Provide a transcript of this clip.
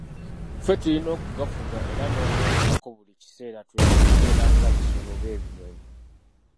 Ffe tulina okugafuga era n'okwekomako buli kiseera tuleme kubeera nga bisolo oba ebinyonyi.